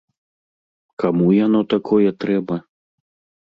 Каму яно такое трэба?